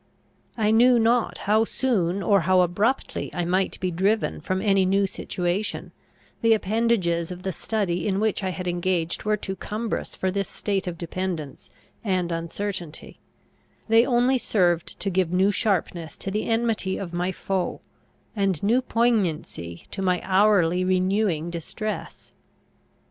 I knew not how soon or how abruptly I might be driven from any new situation; the appendages of the study in which I had engaged were too cumbrous for this state of dependence and uncertainty; they only served to give new sharpness to the enmity of my foe, and new poignancy to my hourly renewing distress.